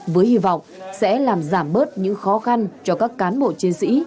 với hy vọng sẽ làm giảm bớt những khó khăn cho các cán bộ chiến sĩ